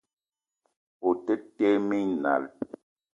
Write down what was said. O te tee minal.